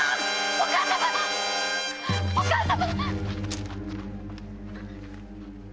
お母様‼お母様！